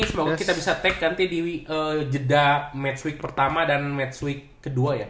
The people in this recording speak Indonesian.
semoga kita bisa take nanti di jeda match week pertama dan match week kedua ya